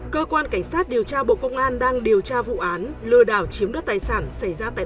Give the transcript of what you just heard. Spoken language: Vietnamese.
cơ quan cảnh sát điều tra bộ công an đang điều tra vụ án lừa đảo chiếm đất tài sản xảy ra tại